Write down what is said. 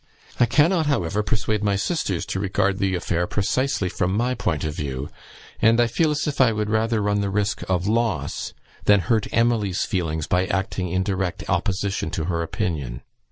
I cannot, however, persuade my sisters to regard the affair precisely from my point of view; and I feel as if I would rather run the risk of loss than hurt Emily's feelings by acting in direct opposition to her opinion.